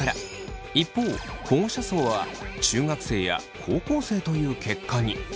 一方保護者層は中学生や高校生という結果に。